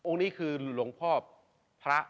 นี่คือหลวงพ่อพระ